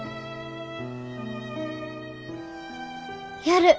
やる。